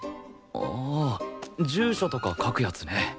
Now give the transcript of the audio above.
ああ住所とか書くやつね